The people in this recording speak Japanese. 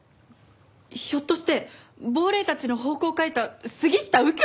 ひょっとして『亡霊たちの咆哮』を書いた杉下右京？